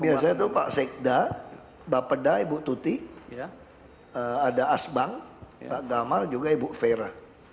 biasanya itu pak sekda mbak peda ibu tuti ada asbang pak gamar juga ibu fera